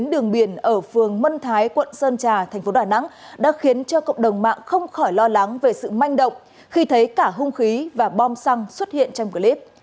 đường biển ở phường mân thái quận sơn trà thành phố đà nẵng đã khiến cho cộng đồng mạng không khỏi lo lắng về sự manh động khi thấy cả hung khí và bom xăng xuất hiện trong clip